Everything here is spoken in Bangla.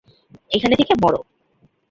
এখানে থেকে মরো।